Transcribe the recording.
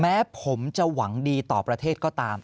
แม้ผมจะหวังดีต่อประเทศก็ตาม